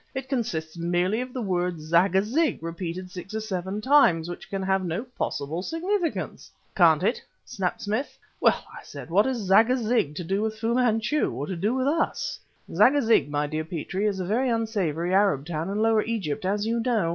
It consists merely of the word 'Zagazig' repeated six or seven times which can have no possible significance!" "Can't it!" snapped Smith. "Well," I said, "what has Zagazig to do with Fu Manchu, or to do with us?" "Zagazig, my dear Petrie, is a very unsavory Arab town in Lower Egypt, as you know!"